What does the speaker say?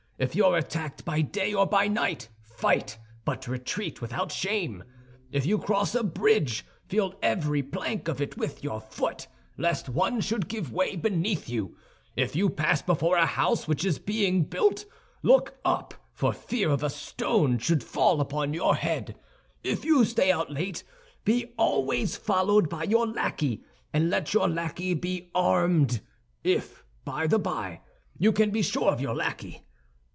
If you are attacked by day or by night, fight, but retreat, without shame; if you cross a bridge, feel every plank of it with your foot, lest one should give way beneath you; if you pass before a house which is being built, look up, for fear a stone should fall upon your head; if you stay out late, be always followed by your lackey, and let your lackey be armed—if, by the by, you can be sure of your lackey.